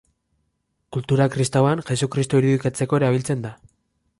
Kultura kristauan, Jesukristo irudikatzeko erabiltzen da.